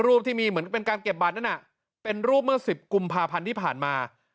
ที่มีเหมือนเป็นการเก็บบัตรนั้นเป็นรูปเมื่อ๑๐กุมภาพันธ์ที่ผ่านมา